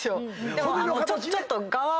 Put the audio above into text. でもちょっと。